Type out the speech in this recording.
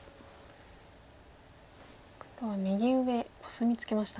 黒は右上コスミツケましたね。